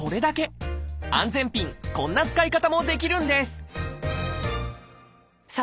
安全ピンこんな使い方もできるんですさあ